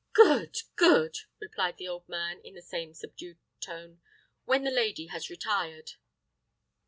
"Good, good!" replied the old man, in the same subdued tone, "when the lady has retired."